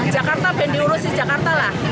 jakarta bandi urus di jakarta lah